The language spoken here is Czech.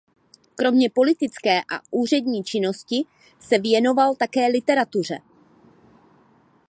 Kromě politické a úřední činnosti se věnoval také literatuře.